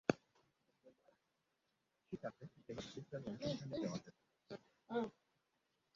ঠিক আছে, এবার ক্রিস্টাল অনুসন্ধানে যাওয়া যাক।